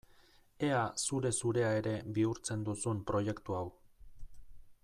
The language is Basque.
Ea zure-zurea ere bihurtzen duzun proiektu hau!